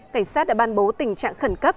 cảnh sát đã ban bố tình trạng khẩn cấp